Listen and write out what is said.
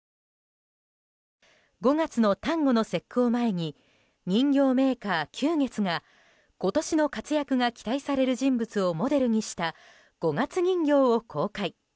５月の端午の節句を前に人形メーカー久月が今年の活躍が期待される人物をモデルにした五月人形を公開。